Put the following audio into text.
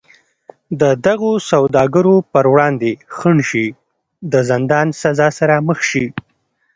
د دغو سوداګرو پر وړاندې خنډ شي د زندان سزا سره مخ شي.